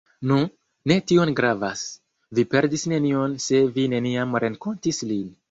Nu, ne tiom gravas, vi perdis nenion se vi neniam renkontis lin.